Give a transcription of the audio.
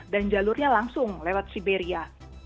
jalurnya langsung lewat siberia